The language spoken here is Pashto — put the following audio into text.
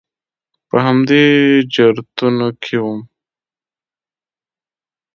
په همدې چرتونو کې وم.